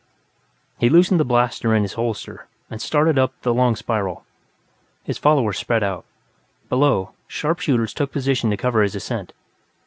He loosened the blaster in his holster and started up the long spiral. His followers spread out, below; sharp shooters took position to cover his ascent.